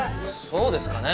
そうですかね？